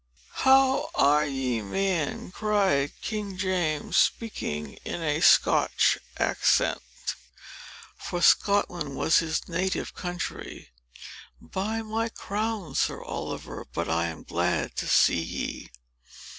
"How are ye, man?" cried King James, speaking in a Scotch accent; for Scotland was his native country. "By my crown, Sir Oliver, but I am glad to see ye!"